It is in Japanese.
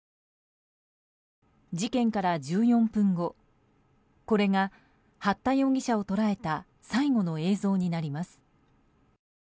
事件から１４分後これが八田容疑者を捉えた最後の映像になります。